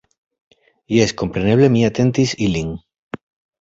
Jes, kompreneble mi atentis ilin.